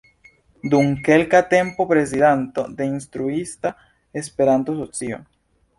Dum kelka tempo prezidanto de Instruista Esperanto-Socio.